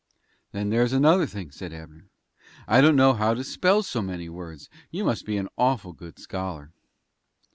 "Then there's another thing," said Abner. "I shouldn't know how to spell so many words. You must be an awful good scholar."